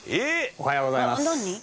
おはようございます。